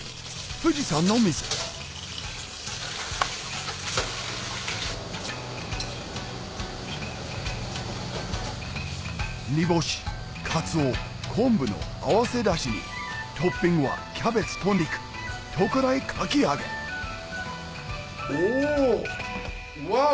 富士山の水煮干し・カツオ・昆布の合わせだしにトッピングはキャベツと肉特大かき揚げおワオ！